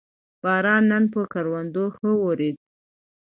باران نن پر کروندو ښه ورېد